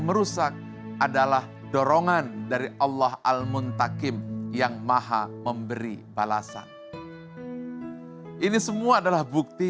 merusak adalah dorongan dari allah al muntakim yang maha memberi balasan ini semua adalah bukti